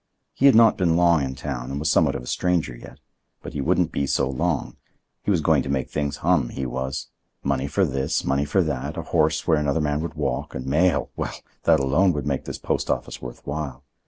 He had not been long in town and was somewhat of a stranger yet, but he wouldn't be so long. He was going to make things hum, he was. Money for this, money for that, a horse where another man would walk, and mail—well, that alone would make this post office worth while.